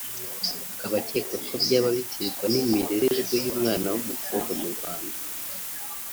akaba acyeka ko byaba biterwa n'imirererwe y'umwana w'umukobwa mu Rwanda